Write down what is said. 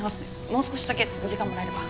もう少しだけ時間もらえれば。